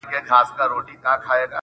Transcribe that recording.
• نشه لري مستي لري په عیبو کي یې نه یم,